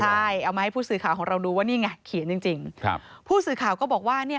ใช่เอามาให้ผู้สื่อข่าวของเราดูว่านี่ไงเขียนจริงจริงครับผู้สื่อข่าวก็บอกว่าเนี่ย